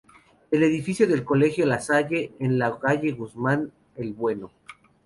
El edificio del Colegio La Salle, en la calle de Guzmán el Bueno.